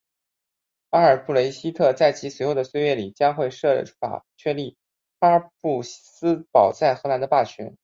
阿尔布雷希特在随后的岁月里将会设法确立哈布斯堡在荷兰的霸权。